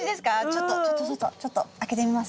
ちょっとちょっとちょっとちょっと開けてみます。